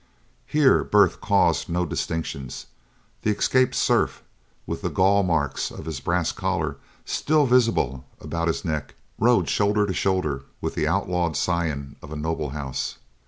Here birth caused no distinctions; the escaped serf, with the gall marks of his brass collar still visible about his neck, rode shoulder to shoulder with the outlawed scion of a noble house.